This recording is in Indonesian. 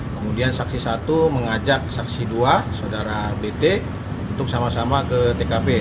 kemudian saksi satu mengajak saksi dua saudara bt untuk sama sama ke tkp